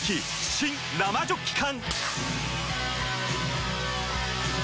新・生ジョッキ缶！